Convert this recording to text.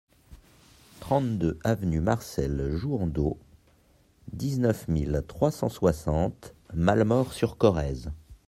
trente-deux avenue Marcel Jouhandeau, dix-neuf mille trois cent soixante Malemort-sur-Corrèze